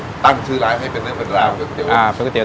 เช่นอาชีพพายเรือขายก๋วยเตี๊ยว